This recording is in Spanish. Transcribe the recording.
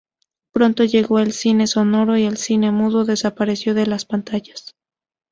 Pronto llegó el cine sonoro, y el cine mudo desapareció de las pantallas.